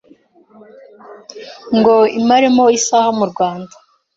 ngo imaremo isaha mu rwanda